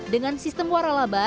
dengan sistem warah laba